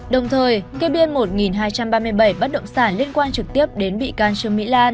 đồng thời kê biên một hai trăm ba mươi bảy bất động sản liên quan trực tiếp đến bị can trương mỹ lan